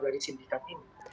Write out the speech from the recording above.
dari sindikat ini